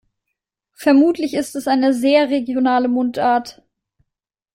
Vermutlich ist es eine sehr regionale Mundart.